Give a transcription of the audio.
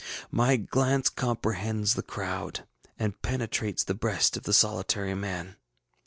My glance comprehends the crowd, and penetrates the breast of the solitary man.